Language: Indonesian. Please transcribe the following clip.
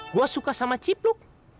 gua suka sama cipluk